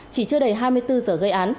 chỉ chưa đầy hai mươi bốn giờ gây án